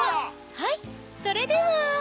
はいそれでは。